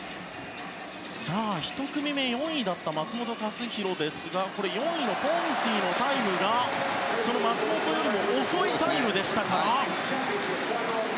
１組目４位だった松元克央ですが４位のポンティのタイムが松元よりも遅いタイムでしたから。